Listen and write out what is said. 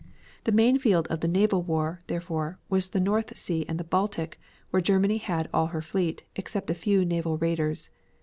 The main field of the naval war, therefore, was the North Sea and the Baltic, where Germany had all her fleet, except a few naval raiders.